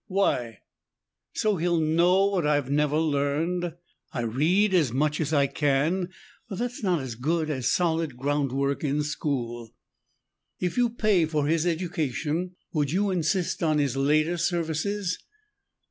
"Why?" "So he'll know what I have never learned. I read as much as I can, but that's not as good as solid groundwork in school." "If you pay for his education, would you insist on his later services?"